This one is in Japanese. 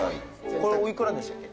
これお幾らでしたっけ？